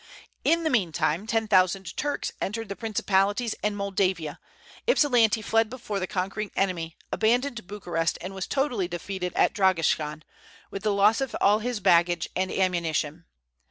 In the mean time ten thousand Turks entered the Principalities and regained Moldavia. Ypsilanti fled before the conquering enemy, abandoned Bucharest, and was totally defeated at Dragaschan, with the loss of all his baggage and ammunition.